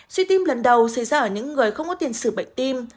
suy tim lần đầu xảy ra ở những người không có tiền xử bệnh tim